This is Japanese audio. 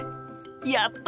やった！